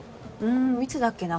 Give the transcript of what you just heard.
んいつだっけな。